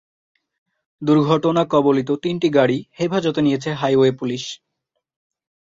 দুর্ঘটনাকবলিত তিনটি গাড়িই হেফাজতে নিয়েছে হাইওয়ে পুলিশ।